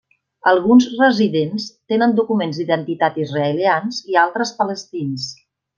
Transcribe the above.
Alguns residents tenen documents d'identitat israelians i altres palestins.